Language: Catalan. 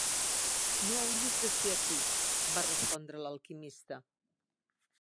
"No hauries de ser aquí", va respondre l'alquimista.